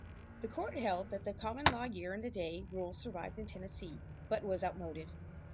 The court held that the common-law year-and-a-day rule survived in Tennessee, but was outmoded.